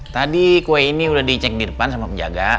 tadi kue ini udah dicek di depan sama penjaga